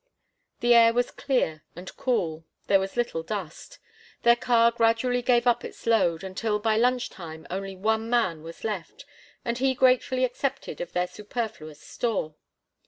The air was clear and cool; there was little dust. Their car gradually gave up its load, until by lunch time only one man was left, and he gratefully accepted of their superfluous store.